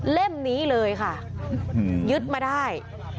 เล่มนี้เลยค่ะยึดมาได้